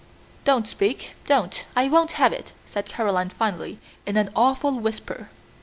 "Don't speak, don't, I won't have it!" said Caroline finally in an awful whisper.